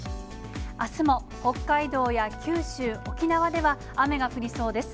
あすも北海道や九州、沖縄では、雨が降りそうです。